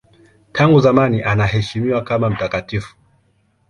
Tangu zamani anaheshimiwa kama mtakatifu.